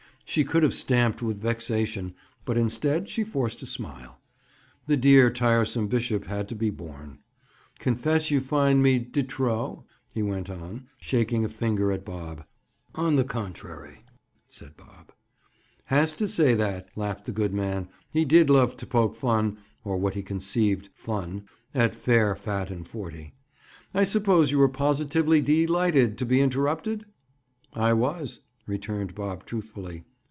She could have stamped with vexation, but instead, she forced a smile. The dear tiresome bishop had to be borne. "Confess you find me de trop?" he went on, shaking a finger at Bob. "On the contrary," said Bob. "Has to say that," laughed the good man. He did love to poke fun (or what he conceived "fun") at "fair, fat and forty." "I suppose you were positively dee lighted to be interrupted?" "I was," returned Bob truthfully.